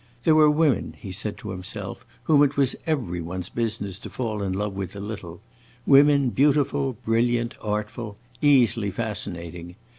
There were women, he said to himself, whom it was every one's business to fall in love with a little women beautiful, brilliant, artful, easily fascinating.